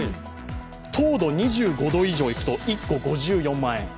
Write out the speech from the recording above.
糖度２５度以上いくと１個５４万円。